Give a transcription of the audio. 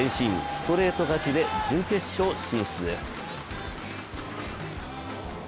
ストレート勝ちで準決勝進出です。